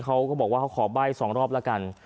เขาบอกว่าเขาขอใบ้สองรอบละกัน